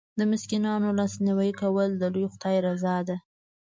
د مسکینانو لاسنیوی کول د لوی خدای رضا ده.